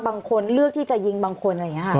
บางคนเลือกที่จะยิงบางคนอะไรอย่างนี้ค่ะ